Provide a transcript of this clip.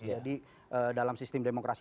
jadi dalam sistem demokrasi